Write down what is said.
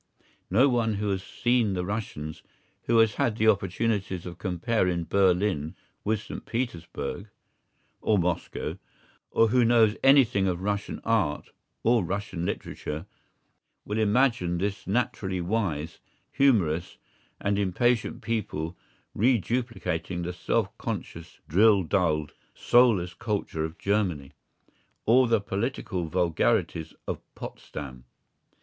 No one who has seen the Russians, who has had opportunities of comparing Berlin with St. Petersburg or Moscow, or who knows anything of Russian art or Russian literature, will imagine this naturally wise, humorous, and impatient people reduplicating the self conscious drill dulled, soulless culture of Germany, or the political vulgarities of Potsdam.